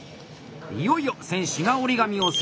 いよいよ選手が折り紙をセット。